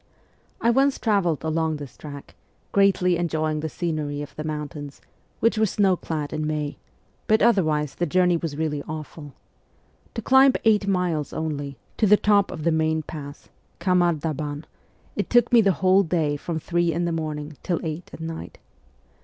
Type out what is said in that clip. I once travelled along this track, greatly enjoying the scenery of the mountains, which were snow clad in May, but otherwise the journey was really awful. To climb eight miles only, to the top of the main pass, Khamar daban, it took me the whole day from three in the morning till eight at night.